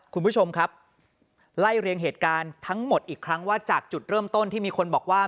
คุณผู้ชมครับไล่เรียงเหตุการณ์ทั้งหมดอีกครั้งว่าจากจุดเริ่มต้นที่มีคนบอกว่า